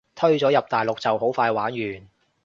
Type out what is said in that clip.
推咗入大陸就好快玩完